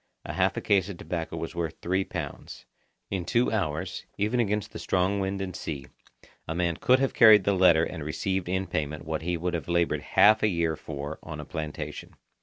A half a case of tobacco was worth three pounds. In two hours, even against the strong wind and sea, a man could have carried the letter and received in payment what he would have laboured half a year for on a plantation.